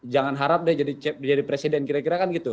jangan harap dia jadi presiden kira kira kan gitu